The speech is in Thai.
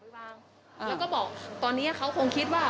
แล้วก็บอกตอนนี้เขาคงคิดว่า